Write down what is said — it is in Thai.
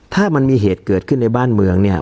ถ้ามันมีเหตุเกิดขึ้นในบ้านเมืองเนี่ย